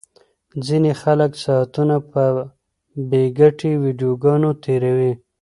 ځینې خلک ساعتونه په بې ګټې ویډیوګانو تیروي.